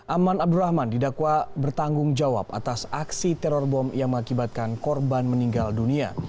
aman abdurrahman didakwa bertanggung jawab atas aksi teror bom yang mengakibatkan korban meninggal dunia